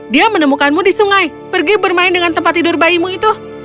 dia menemukanmu di sungai pergi bermain dengan tempat tidur bayimu itu